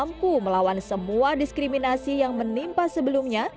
dan juga melawan semua diskriminasi yang menimpa sebelumnya